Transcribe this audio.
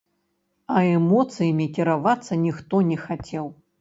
А эмоцыямі кіравацца ніхто не хацеў.